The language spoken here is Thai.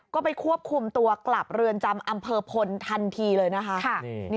ก็ไปควบคุมตัวกลับเรือนจำอำเภอพลทันทีเลยนะคะ